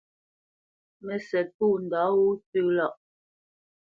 Mə́sɛ̌t pô ndǎ wó tsə̄ lâʼ.